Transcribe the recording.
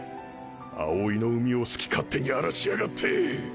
葵の海を好き勝手に荒らしやがって！